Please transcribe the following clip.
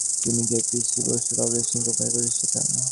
তিনি K. P. Basu publishing কোম্পানির প্রতিষ্ঠাতা।